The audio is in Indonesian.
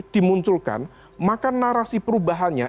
memunculkan maka narasi perubahannya